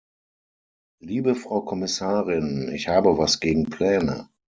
Liebe Frau Kommissarin, ich habe was gegen Pläne.